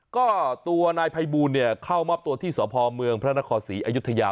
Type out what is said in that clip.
ก็ตัวนายภัยบูลเข้ามอบตัวที่สพเมืองพระนครศรีอยุธยา